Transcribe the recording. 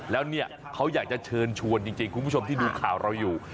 แล้วเนี่ยเขาอยากจะเชิญชวนจริงคุณผู้ชมที่ดูข่าวเราอยู่